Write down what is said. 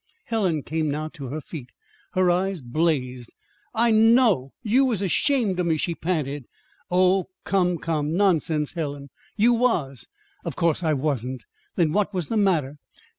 Helen came now to her feet. Her eyes blazed. "I know. You was ashamed of me," she panted. "Oh, come, come; nonsense, Helen!" "You was." "Of course I wasn't." "Then what was the matter?"